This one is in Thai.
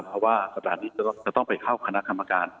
เพราะว่าสัปดาห์นี้จะต้องไปเข้าคณะคำอาการ